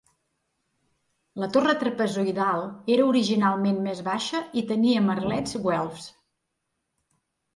La torre trapezoidal era originalment més baixa i tenia merlets güelfs.